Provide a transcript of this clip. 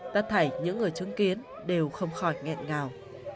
tất thảy những người chứng kiến đều không khỏi nghẹn ngào